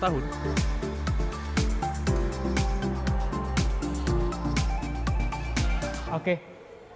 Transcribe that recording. terima kasih banyak mbak